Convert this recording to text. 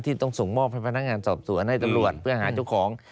ต้องส่งมอบให้พนักงานสอบสวนให้ตำรวจเพื่อหาเจ้าของ